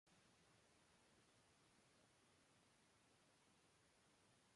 Estudia Ingeniería Industrial en Bilbao.